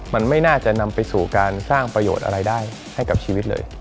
มันไม่น่าจะนำไปสู่การสร้างประโยชน์อะไรได้ให้กับชีวิตเลย